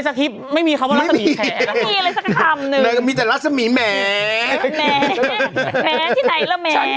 ฉันกำลังติดต่อไอ้รัสมีแคร์อยู่